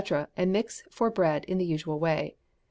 and mix for bread in the usual way.